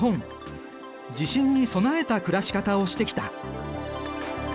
地震に備えた暮らし方をしてきた。